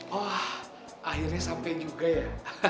wah akhirnya sampai juga ya